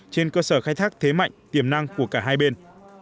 trên cơ sở khai thác thế mạnh tiềm năng của cả hai bên